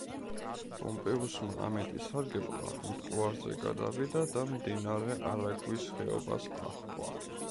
პომპეუსმა ამით ისარგებლა, მტკვარზე გადავიდა და მდინარე არაგვის ხეობას აჰყვა.